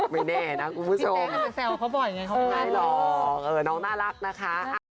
ไม่แน่นะคุณผู้ชมพี่แม่ก็จะแซวเขาบ่อยไงเขาไม่หรอกเอ่อน้องน่ารักนะคะ